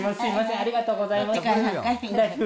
ありがとうございます。